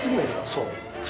そう。